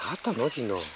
昨日。